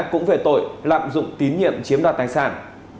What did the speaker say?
cũng về tội lạm dụng tín nhiệm chiếm đoạt tài sản